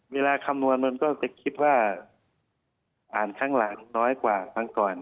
คำนวณมันก็จะคิดว่าอ่านข้างหลังน้อยกว่าครั้งก่อน